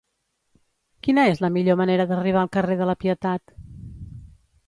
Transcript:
Quina és la millor manera d'arribar al carrer de la Pietat?